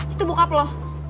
itu bokap lu